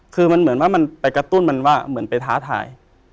คือมันเหมือนว่ามันไปกระตุ้นมันว่าเหมือนไปท้าทาย